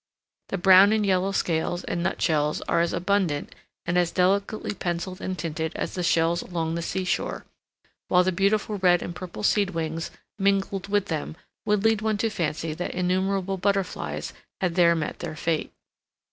The brown and yellow scales and nut shells are as abundant and as delicately penciled and tinted as the shells along the sea shore; while the beautiful red and purple seed wings mingled with them would lead one to fancy that innumerable butterflies had there met their fate.